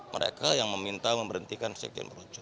mereka yang meminta memberhentikan sekjen merojo